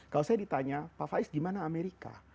kalau saya ditanya pak faiz gimana amerika